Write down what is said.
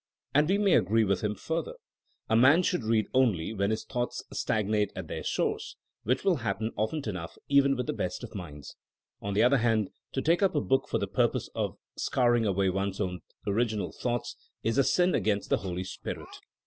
'' And we may agree with him further :A man should read only when his thoughts stagnate at their source, which will happen often enough even with th^ best of minds. On the other hand, to take up a book for the purpose of scar ing away one's own original thoughts is a sin against the Holy Spirit.